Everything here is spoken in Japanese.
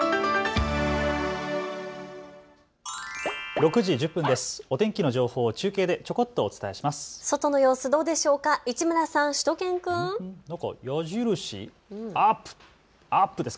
６時１０分です。